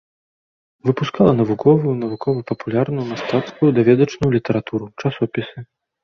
Выпускала навуковую, навукова-папулярную, мастацкую, даведачную літаратуру, часопісы.